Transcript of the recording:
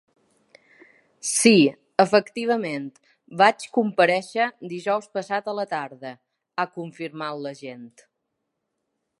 Sí, efectivament, vaig comparèixer dijous passat a la tarda, ha confirmat l’agent.